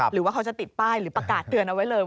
หรือว่าเขาจะติดป้ายหรือประกาศเตือนเอาไว้เลย